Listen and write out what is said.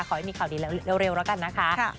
ขอให้มีข่าวดีเร็วแล้วกันนะคะ